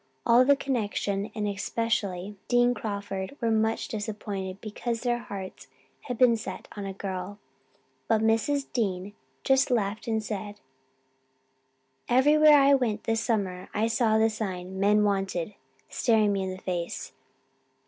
All the connection and especially Dean Crawford were much disappointed because their hearts had been set on a girl; but Mrs. Dean just laughed and said, 'Everywhere I went this summer I saw the sign "MEN WANTED" staring me in the face.